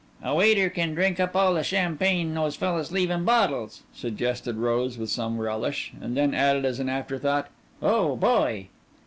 "A waiter can drink up all the champagne those fellas leave in bottles," suggested Rose with some relish, and then added as an afterthought, "Oh, boy!"